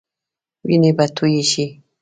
وينې به تويي شي.